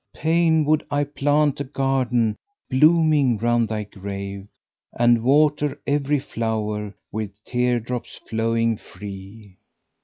Pain would I plant a garden blooming round thy grave, * And water every flower with tear drops flowing free!"